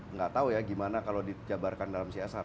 nggak tahu ya gimana kalau dijabarkan dalam csr